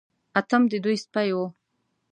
اتم د دوی سپی و.